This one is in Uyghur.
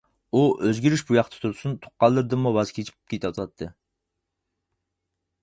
ئۇ ئۆزگىرىش بۇ ياقتا تۇرسۇن، تۇغقانلىرىدىنمۇ ۋاز كېچىپ كېتىۋاتاتتى.